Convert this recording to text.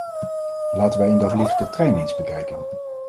Laten wij in dat licht de trein eens bekijken.